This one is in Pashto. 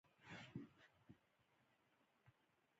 ستا د خوښې مشهور شخصیت څوک دی؟